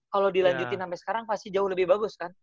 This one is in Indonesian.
kalau dilanjutin sampai sekarang pasti jauh lebih bagus kan